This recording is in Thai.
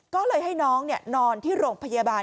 ก็เลยให้น้องนอนที่โรงพยาบาล